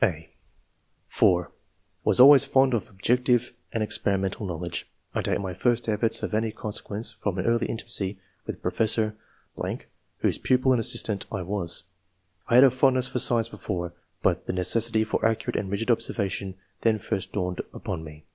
(a) (4) Was always fond of objective and experi mental knowledge. I date my first efforts of any III.] ORIGIN OF TASTE FOR SCIENCE. 177 consequence from an early intimacy with Pro fessor ..., whose pupil and assistant I was. I had a fondness for science before, but the ne cessity for accurate and rigid observation then first dawned upon me.